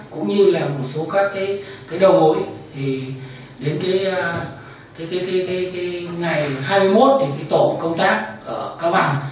cũng như là một số các đầu mối đến ngày hai mươi một thì tổ công tác ở cao bằng